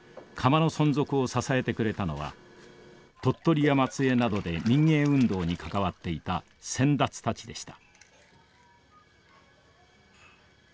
窯の存続を支えてくれたのは鳥取や松江などで民藝運動に関わっていた先達たちでした。